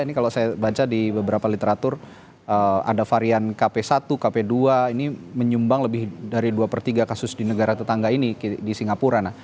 ini kalau saya baca di beberapa literatur ada varian kp satu kp dua ini menyumbang lebih dari dua per tiga kasus di negara tetangga ini di singapura